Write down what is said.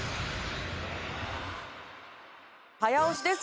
早押しです。